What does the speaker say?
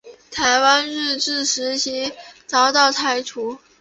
台湾日治时期遭到拆除。